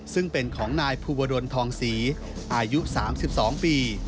ซึ่งเป็นของนายภูวดลทองศรีอายุ๓๒ปี